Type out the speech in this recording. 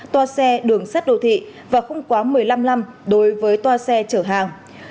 toa xe đường sắt đô thị và không quá một mươi năm năm đối với toa xe chở hàng